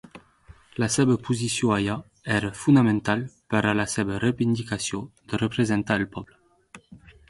La seva posició allà era fonamental per a la seva reivindicació de representar el poble.